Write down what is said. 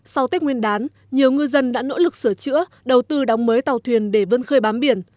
sau tết nguyên đán nhiều ngư dân đã nỗ lực sửa chữa đầu tư đóng mới tàu thuyền để vân khơi bám biển